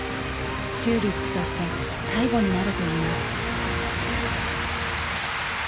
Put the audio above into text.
ＴＵＬＩＰとして最後になるといいます。